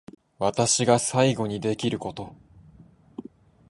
私が最後にできること